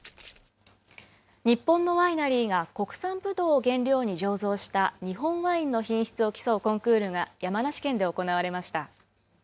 日本のワイナリーが国産ぶどうを原料に醸造した日本ワインの品質を競うコンクールが山梨県で行われました。